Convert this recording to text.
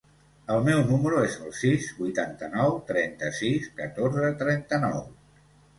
El meu número es el sis, vuitanta-nou, trenta-sis, catorze, trenta-nou.